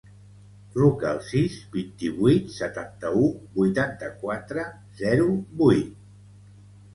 Truca al sis, vint-i-vuit, setanta-u, vuitanta-quatre, zero, vuit.